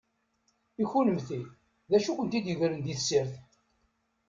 I kunemti, d acu i kwen-t-id-igren di tessirt?